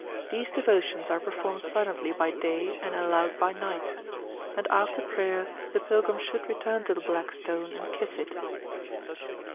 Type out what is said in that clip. These devotions are performed silently by day and aloud by night. And after prayer the pilgrim should return to the Black Stone, and kiss it.